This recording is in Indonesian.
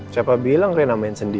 siapa bilang rena main sendiri